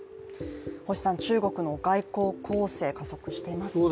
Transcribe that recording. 星さん、中国の外交攻勢、加速していますね。